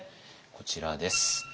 こちらです。